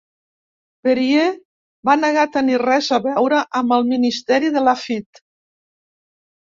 Perier va negar tenir res a veure amb el ministeri de Laffitte.